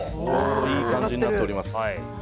いい感じになっております。